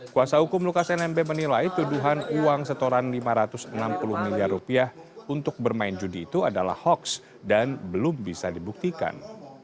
kuasa hukum lukas nmb menilai tuduhan uang setoran lima ratus enam puluh miliar rupiah untuk bermain judi itu adalah hoaks dan belum bisa dibuktikan